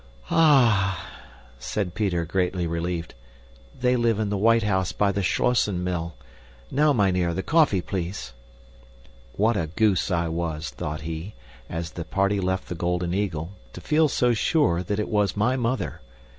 "Ah!" said Peter, greatly relieved. "They live in the white house by the Schlossen Mill. Now, mynheer, the coffee, please!" What a goose I was, thought he, as the party left the Golden Eagle, to feel so sure that it was my mother.